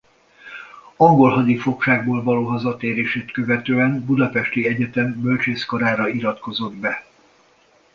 Angol hadifogságból való hazatérését követően a budapesti egyetem bölcsészkarára iratkozott be.